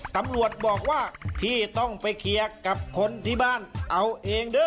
ตำรวจบอกว่าพี่ต้องไปเคลียร์กับคนที่บ้านเอาเองเด้อ